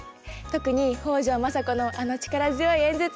特に北条政子のあの力強い演説。